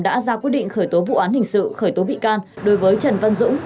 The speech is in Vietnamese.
đã ra quyết định khởi tố vụ án hình sự khởi tố bị can đối với trần văn dũng